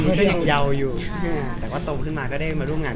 อยู่โปรดรุ่นด้วยกับพี่จิมของเราก็ดีใจมาก